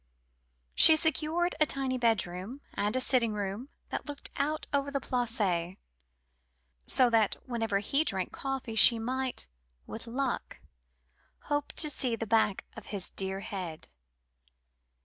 She secured a tiny bedroom, and a sitting room that looked out over the Place, so that whenever he drank coffee she might, with luck, hope to see the back of his dear head.